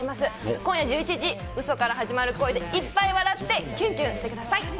今夜１１時、嘘から始まる恋でいっぱい笑ってきゅんきゅんしてください。